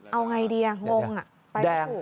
เอาง่ายดีงง